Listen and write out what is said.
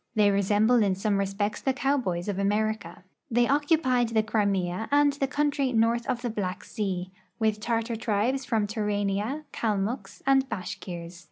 They resemble in some respects the cowboys of America. They occupied the Crimea and the country north of the Black sea, with Tartar tribes from Turania, Kalmucks, and Bashkirs.